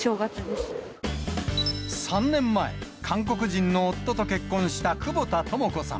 ３年前、韓国人の夫と結婚した久保田朋子さん。